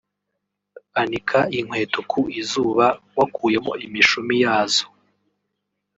Anika inkweto ku izuba wakuyemo imishumi yazo